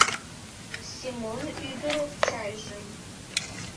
Семон ӱдыр Овчайжым